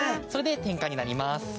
それで点火になります。